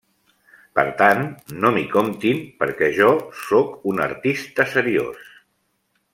Per tant, no m'hi comptin perquè jo sóc un artista seriós.